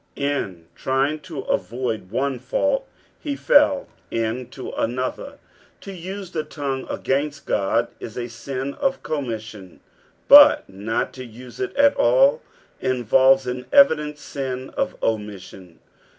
In trying to aToid one fault, he fell into another. To use the tongue ngaiost Qod is a sin of commisaion, but not to nae it at aU inTolres an evident gin of omission.